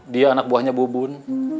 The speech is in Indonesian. dia anak buahnya bubun